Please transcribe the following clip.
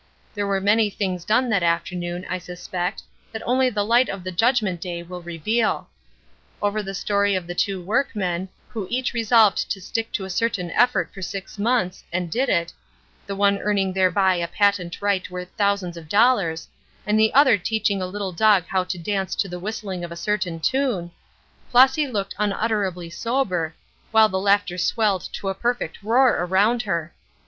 There were many things done that afternoon, I suspect, that only the light of the judgement day will reveal. Over the story of the two workmen, who each resolved to stick to a certain effort for six months, and did it, the one earning thereby a patent right worth thousands of dollars, and the other teaching a little dog how to dance to the whistling of a certain tune, Flossy looked unutterably sober, while the laughter swelled to a perfect roar around her.